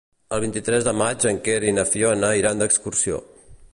El vint-i-tres de maig en Quer i na Fiona iran d'excursió.